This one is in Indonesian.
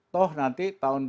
toh nanti tahun dua ribu